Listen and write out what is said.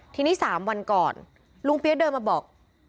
ทีนี้๓วันก่อนลุงเปี๊ยกเดินมาบอก